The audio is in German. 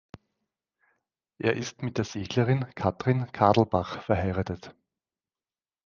Er ist mit der Seglerin Kathrin Kadelbach verheiratet.